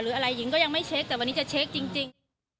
อะไรหญิงก็ยังไม่เช็คแต่วันนี้จะเช็คจริง